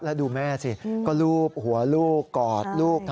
แล้วดูแม่สิก็ลูบหัวลูกกอดลูก